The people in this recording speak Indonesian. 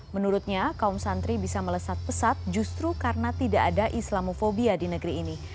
menurutnya kaum santri bisa melesat pesat justru karena tidak ada islamofobia di negeri ini